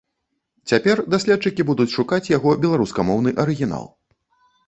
Цяпер даследчыкі будуць шукаць яго беларускамоўны арыгінал.